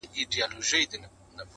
نه به زه یم نه به ته نه دا وطن وي٫